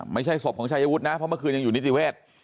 ไม่ใช่ศพของชายวุฒินะเพราะเมื่อคืนยังอยู่นิติเวศ